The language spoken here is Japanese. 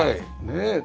ねえ。